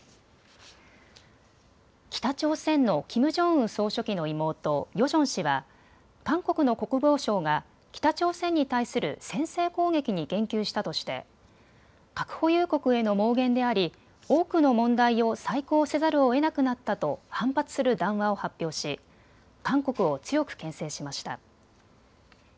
北朝鮮のキム・ジョンウン総書記の妹、ヨジョン氏は韓国の国防相が北朝鮮に対する先制攻撃に言及したとして核保有国への妄言であり多くの問題を再考せざるをえなくなったと反発する談話を発表し韓国を強くけん制しました。